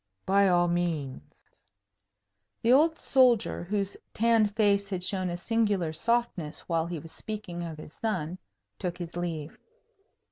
"By all means." The old soldier, whose tanned face had shown a singular softness while he was speaking of his son, took his leave.